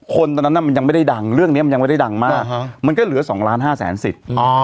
ตอนนั้นมันยังไม่ได้ดังเรื่องนี้มันยังไม่ได้ดังมากมันก็เหลือ๒ล้านห้าแสนสิทธิ์